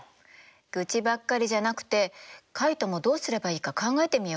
愚痴ばっかりじゃなくてカイトもどうすればいいか考えてみようよ。